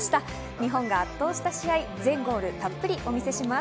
日本が圧倒した試合、全ゴールたっぷりお見せします。